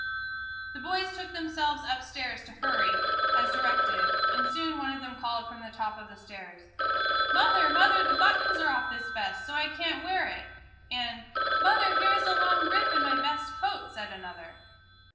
The boys took themselves upstairs to "hurry," as directed, and soon one of them called from the top of the stairs, "Mother! mother! the buttons are off this vest; so I can't wear it!" and "Mother! here is a long rip in my best coat!" said another.